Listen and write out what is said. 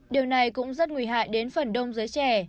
điều này cũng rất nguy hại đến phần đông giới trẻ